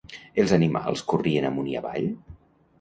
Els animals corrien amunt i avall?